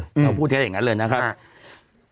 เราพูดให้อย่างนั้นเลยนะครับ